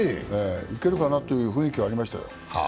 いけるかなという雰囲気はありましたよ。